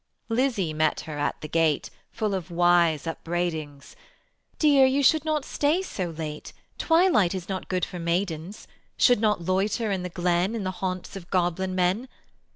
Lizzie met her at the gate Full of wise upbraidings: "Dear, you should not stay so late, Twilight is not good for maidens; Should not loiter in the glen In the haunts of goblin men.